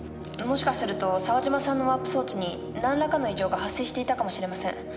もしかすると沢嶋さんのワープ装置に何らかの異常が発生していたかもしれません。